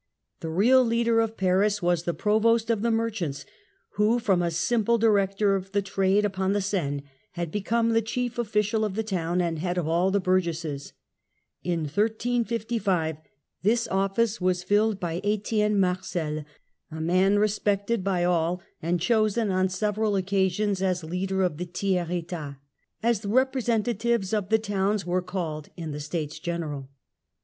The real leader of Paris was the Provost of the Merchants, who from a simple director of the trade upon the Seine, had become the chief official of the town and head of all the burgesses. In 1355 this office was filled by Etienne Marcel, a man respected by all, and chosen on several occasions as leader of the Tiers Etat, as the representatives of the towns were called in the States General.